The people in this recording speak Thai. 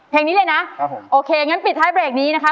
เพลงนี้เลยนะครับผมโอเคงั้นปิดท้ายเบรกนี้นะคะ